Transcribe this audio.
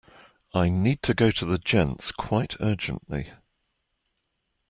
I need to go to the gents quite urgently